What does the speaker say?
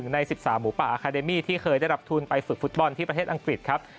ใน๑๓หมูป่าอาคาเดมี่ที่เคยได้รับทุนไปฝึกฟุตบอลที่ประเทศอังกฤษครับ